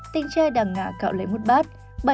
tinh tre đằng ngã cạo lấy một bát